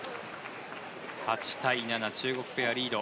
８対７、中国ペアリード。